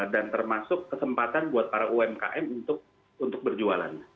dan termasuk kesempatan buat para umkm untuk berjualannya